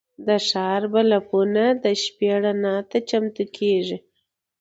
د ښار بلبونه د شپې رڼا ته چمتو کېږي.